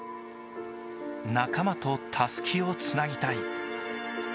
仲間とたすきをつなぎたい。